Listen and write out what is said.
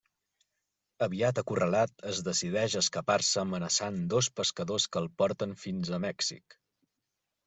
Aviat acorralat, es decideix a escapar-se amenaçant dos pescadors que el porten fins a Mèxic.